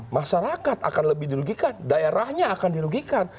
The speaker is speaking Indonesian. masyarakat akan lebih dilugikan daerahnya akan dilugikan